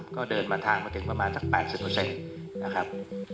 ก็เดินมาทางมาถึงประมาณทั้ง๘๐นิติเซ็นต์นะครับ